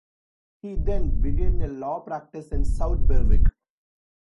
He then began a law practice in South Berwick.